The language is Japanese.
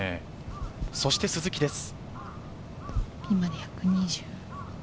そして鈴木です。